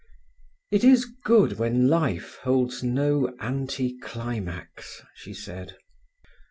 "It is good when life holds no anti climax," she said.